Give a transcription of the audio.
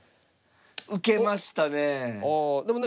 受けましたね。